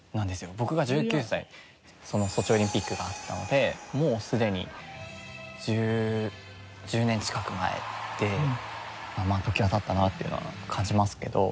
僕が１９歳ソチオリンピックがあったのでもうすでに１０１０年近く前で時が経ったなっていうのは感じますけど。